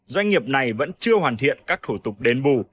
doanh nghiệp này vẫn chưa hoàn thiện các thủ tục đền bù